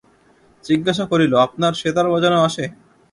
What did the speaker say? জিজ্ঞাসা করিল, আপনার সেতার বাজানো আসে?